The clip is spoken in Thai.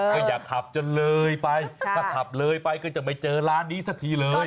ก็อย่าขับจนเลยไปถ้าขับเลยไปก็จะไม่เจอร้านนี้สักทีเลย